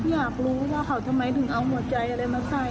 อยากรู้ว่าเขาทำไมถึงเอาหัวใจอะไรมาใส่